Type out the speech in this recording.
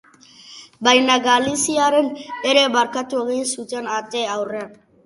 Baina galiziarrek ere barkatu egin zuten ate aurrean.